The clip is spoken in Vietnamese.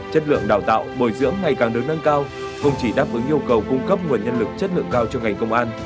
chất lượng đào tạo bồi dưỡng ngày càng đứng nâng cao không chỉ đáp ứng yêu cầu cung cấp nguồn nhân lực chất lượng cao cho ngành công an